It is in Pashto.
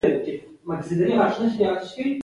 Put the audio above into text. زما ورور روزګان ته تللى دئ.